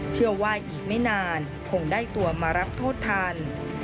เชื่อว่าอีกไม่นานคงได้ตัวมารับโทษทัน